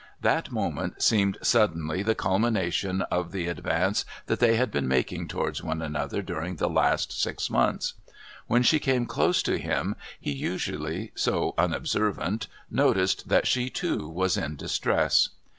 That moment seemed suddenly the culmination of the advance that they had been making towards one another during the last six months. When she came close to him, he, usually so unobservant, noticed that she, too, was in distress.